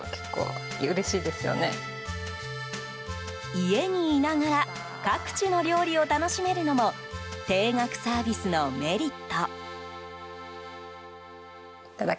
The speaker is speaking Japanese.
家にいながら各地の料理を楽しめるのも定額サービスのメリット。